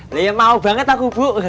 beliau mau banget aku bu